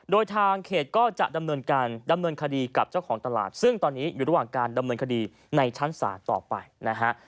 โดยทางเขตก็จะดำเนินการดำเนินคดีกับเจ้าของตลาดซึ่งตอนนี้อยู่ระหว่างการดำเนินคดีในชั้นศาลต่อไปนะฮะ